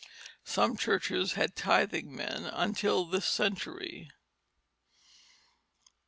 Some churches had tithing men until this century.